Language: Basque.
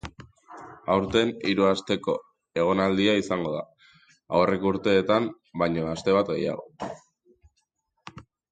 Aurten hiru asteko egonaldia izango da, aurreko urteetan baino aste bat gehiago.